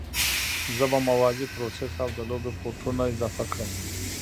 زه به موازي پروسس او د لوبو پورټونه اضافه کړم